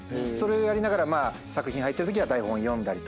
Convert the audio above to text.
それをやりながら作品入ってるときは。